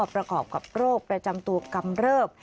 ประกอบกับโรคประจำตัวกำเริบ